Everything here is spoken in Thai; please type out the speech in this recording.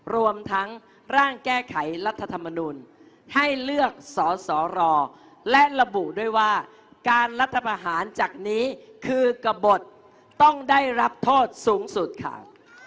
รวมทั้งร่างแก้ไขรัฐธรรมนูลให้เลือกสอสอรอและระบุด้วยว่าการรัฐประหารจากนี้คือกระบดต้องได้รับโทษสูงสุดค่ะ